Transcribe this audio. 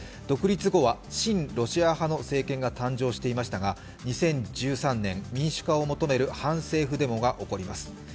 独立後は親ロシア派の政権が誕生していましたが、２０１３年、民主化を求める反政府デモが起こります。